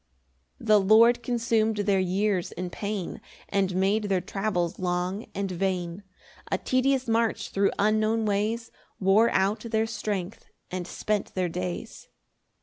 3 The Lord consum'd their years in pain, And made their travels long and vain; A tedious march thro' unknown ways Wore out their strength and spent their days.